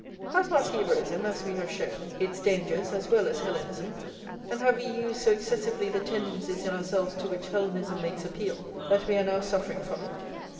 Has not Hebraism, as we have shown, its dangers as well as Hellenism; and have we used so excessively the tendencies in ourselves to which Hellenism makes appeal, that we are now suffering from it?